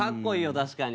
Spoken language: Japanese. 確かに。